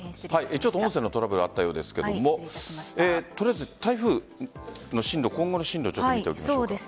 音声のトラブルがあったようですがとりあえず台風の今後の進路を見ておきましょう。